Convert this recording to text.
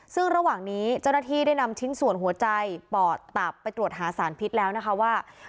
ซึ่งระหว่างนี้เจ้าหน้าที่ได้นำชิ้นส่วนหัวใจปอดตับไปตรวจหาสารพิษแล้วนะคะว่า